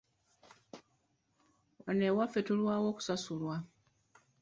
Wano ewaffe tulwawo okusasulwa.